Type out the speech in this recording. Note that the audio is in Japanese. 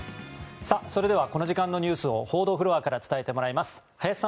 それではこの時間ニュースを報道フロアから伝えてもらいます林さん